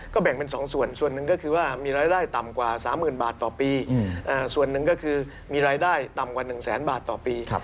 แบ่งเป็น๒ส่วนส่วนหนึ่งก็คือว่ามีรายได้ต่ำกว่า๓๐๐๐บาทต่อปีส่วนหนึ่งก็คือมีรายได้ต่ำกว่า๑แสนบาทต่อปี